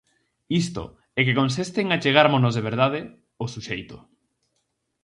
Isto, e que consiste en achegármonos de verdade ó suxeito.